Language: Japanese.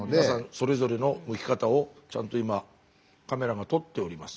それぞれのむき方をちゃんと今カメラが撮っております。